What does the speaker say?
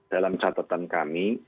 dalam catatan kami